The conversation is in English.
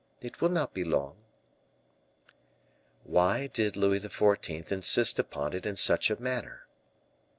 It will not be long." Why did Louis XIV. insist upon it in such a manner?